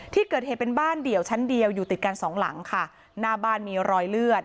ที่เกิดเหตุเป็นบ้านเดี่ยวชั้นเดียวอยู่ติดกันสองหลังค่ะหน้าบ้านมีรอยเลือด